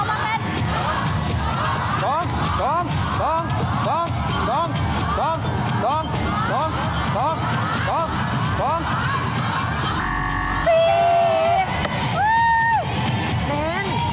กำแหน่งที่หนึ่ง